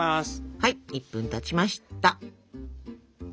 はい１分たちました。